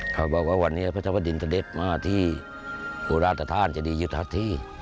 เขาบอกว่าวันนี้พระเจ้าบดินเสด็จมาที่โคราชธานเจดียุทธ์